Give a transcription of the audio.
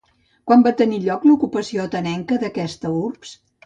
Quan va tenir lloc l'ocupació atenenca d'aquesta urbs?